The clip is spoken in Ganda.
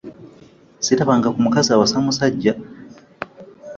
Sirabanga ku mukazi awasa omusajja!